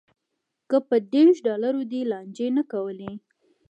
که په دېرش ډالرو دې لانجې نه کولی.